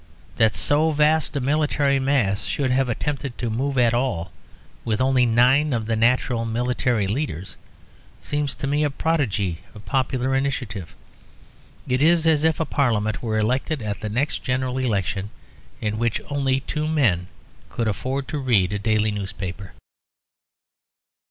That so vast a military mass should have attempted to move at all, with only nine of the natural military leaders, seems to me a prodigy of popular initiative. It is as if a parliament were elected at the next general election, in which only two men could afford to read a daily newspaper.